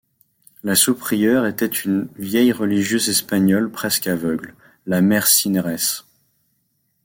La sous-prieure était une vieille religieuse espagnole presque aveugle, la mère Cineres.